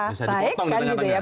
bisa dipotong di tengah tengah